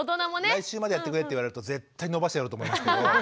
「来週までやってくれ」って言われると絶対延ばしてやろうと思いますけど。